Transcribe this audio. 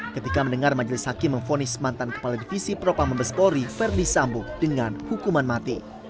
ketika mendengar majelis hakim mengfonis mantan kepala divisi propang membespori ferdi sambu dengan hukuman mati